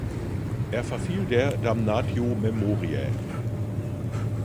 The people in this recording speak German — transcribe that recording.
Er verfiel der "damnatio memoriae".